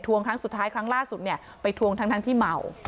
ครั้งสุดท้ายครั้งล่าสุดเนี่ยไปทวงทั้งที่เมา